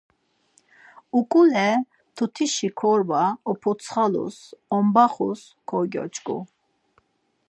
Uǩule mtutişi korba oputsxolus, ombaxus kogyoç̌ǩu.